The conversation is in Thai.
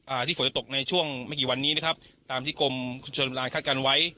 ที่ฝนจะตกในช่วงไม่กี่วันนี้นะครับตามที่กรมชนรายคาดการณ์ไว้